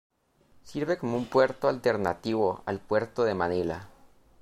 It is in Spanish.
Sirve como un puerto alternativo al puerto de Manila.